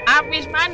apa yang kamu mau